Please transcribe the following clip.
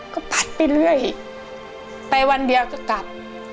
ก็พัดไปเรื่อยไปวันเดียวก็กลับ